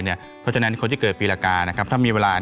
เพราะฉะนั้นคนที่เกิดปีละกาถ้ามีเวลา